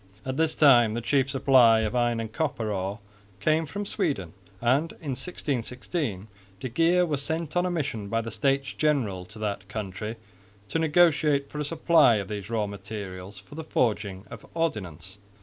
At this time the chief supply of iron and copper ore came from Sweden; and in 1616 de Geer was sent on a mission by the States General to that country to negotiate for a supply of these raw materials for the forging of ordnance.